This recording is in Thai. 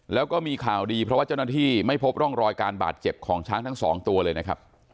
แล้วก็มีข่าวดีเพราะว่าเจ้าหน้าที่ไม่พบร่องรอยการบาดเจ็บของช้างทั้งสองตัวเลยนะครับ